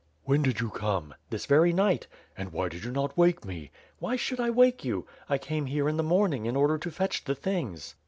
"When did you come?" "This very night." "And why did you not wake me?" "Why should I wake you? I came here in the morning, in order to fetch the things."